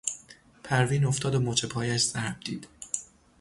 پروین افتاد و مچ پایش ضرب دید.